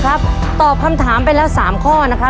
เอ้าสู้ขอให้ทันเวลานะครับป้า